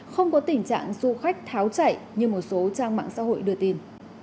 không có tình trạng du khách tháo chạy như một số trang mạng xã hội đưa tin